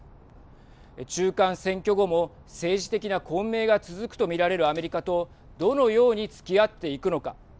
中間選挙後も政治的な混迷が続くと見られるアメリカとどのようにつきあっていくのか。